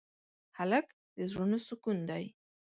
هلک د زړونو سکون دی.